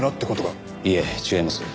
いいえ違います。